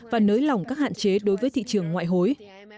và nới lỏng các hạn chế đối với thị trường ngoại hối